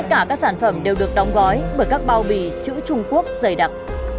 tất cả các sản phẩm đều được đóng gói bởi các bao bì chữ trung quốc dày đặc